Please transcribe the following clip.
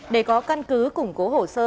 để có căn cứ củng cố hồ sơ